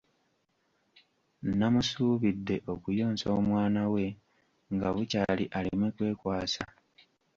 Namusuubidde okuyonsa omwana we nga bukyali aleme kwekwasa.